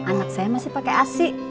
anak saya masih pakai asi